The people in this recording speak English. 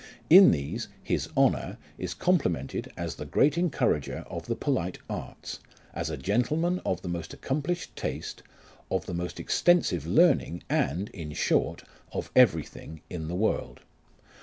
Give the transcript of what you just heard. In these, "his Honour" is complimented as the great encourager of the polite arts, as a gentleman of the most accomplished taste, of the most extensive learning, and, in short, of everything in the world.